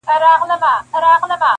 لاري لاري دي ختليقاسم یاره تر اسمانه,